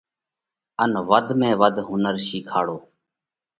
ان وڌ ۾ وڌ هُنر شِيکاڙون۔